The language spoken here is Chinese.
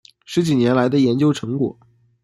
十几年来的研究成果